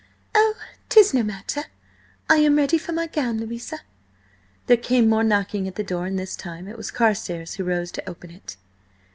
"Oh, 'tis no matter–I am ready for my gown, Louisa." There came more knocking at the door, and this time it was Carstares who rose to open it.